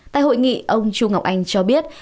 tại hội nghị ông trung ngọc anh cho biết